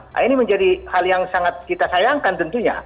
nah ini menjadi hal yang sangat kita sayangkan tentunya